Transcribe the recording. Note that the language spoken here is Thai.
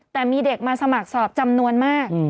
แต่มีเด็กมาสมัครสอบจำนวนมาก